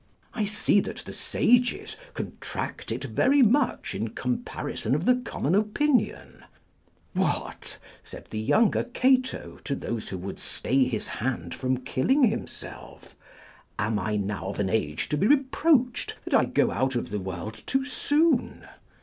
I see that the sages contract it very much in comparison of the common opinion: "what," said the younger Cato to those who would stay his hand from killing himself, "am I now of an age to be reproached that I go out of the world too soon?"